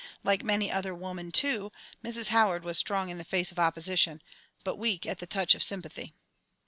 Like many another woman, too, Mrs. Howard was strong in the face of opposition, but weak at the touch of sympathy.